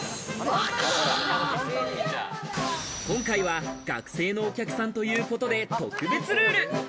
今回は学生のお客さんということで特別ルール。